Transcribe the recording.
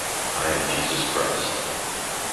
I am Jesus Christ.